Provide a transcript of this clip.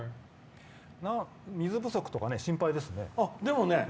水不足とか心配ですね。